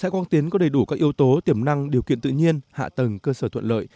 tại quang tiến có đầy đủ các yếu tố tiềm năng điều kiện tự nhiên hạ tầng cơ sở thuận lợi